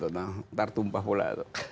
nanti tumpah pula